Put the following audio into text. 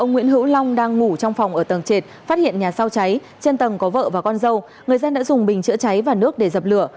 nguyễn hữu long đang ngủ trong phòng ở tầng trệt phát hiện nhà sau cháy trên tầng có vợ và con dâu người dân đã dùng bình chữa cháy và nước để dập lửa